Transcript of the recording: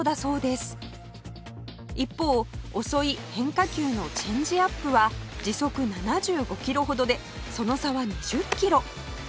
一方遅い変化球のチェンジアップは時速７５キロほどでその差は２０キロ